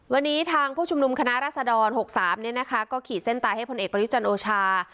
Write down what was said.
วันนี้ทางผู้ชุมนุมคณะราศดร๖๓เนี่ยนะคะก็ขีดเส้นตาให้พลเอกบริจันโอชา